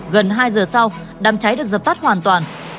gần hai giờ sau đám cháy được dập tắt hoàn toàn